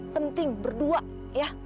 penting berdua ya